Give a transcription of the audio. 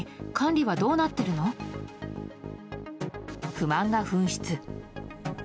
不満が噴出。